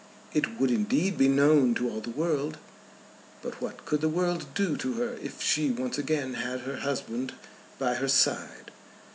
It would indeed be known to all the world, but what could the world do to her if she once again had her husband by her side?